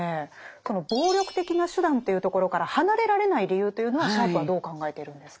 その暴力的な手段というところから離れられない理由というのはシャープはどう考えているんですか？